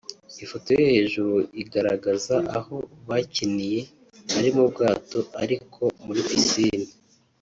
Ifoto yo hejuru igaragaza aho bakiniye ari mu bwato ariko muri piscine